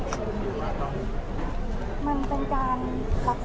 จริงต้องกลับไปตอนโรคหัวใจ